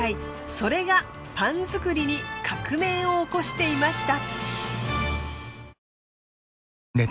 それがパン作りに革命を起こしていました。